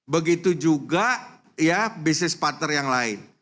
begitu juga ya bisnis partner yang lain